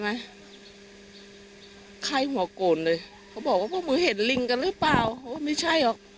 ไหมไข้หัวโกนเลยเขาบอกว่ามึงเห็นลิงกันหรือเปล่าไม่ใช่